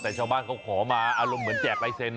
แต่ชาวบ้านเขาขอมาอารมณ์เหมือนแจกลายเซ็น